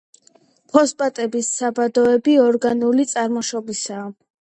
ფოსფატების საბადოები ორგანული წარმოშობისაა.